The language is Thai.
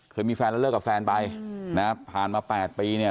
เคยมีแฟนแล้วเลิกกับแฟนไปนะผ่านมา๘ปีเนี่ย